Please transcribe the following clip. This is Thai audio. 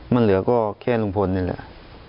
มันเหลือก็แค่ลุงพลนี่แหละ